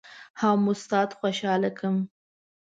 هم استاد خوشحاله کړم.